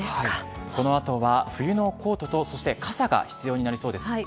この後は冬のコートとそして傘が必要になりそうです。